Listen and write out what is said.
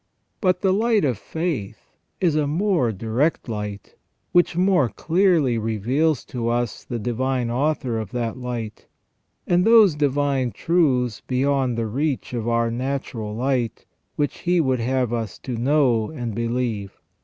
But the light of faith is a more direct light, which more clearly reveals to us the Divine Author of that light, and those divine truths beyond the reach of our natural light which He would have us to know and believe.